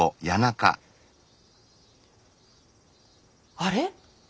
あれ？